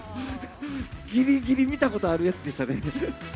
ぎりぎり見たことあるやつでしたね。